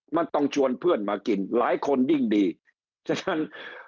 มันต้องชวนเพื่อนมากินหลายคนยิ่งดีฉะนั้น